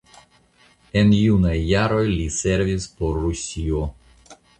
En junaj jaroj li servis por Rusio.